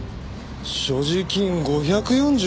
所持金５４７円。